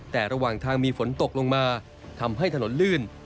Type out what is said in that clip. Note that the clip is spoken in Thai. แต่ระหว่างทางมีฝนตกลงมาทำให้ถนนลื่น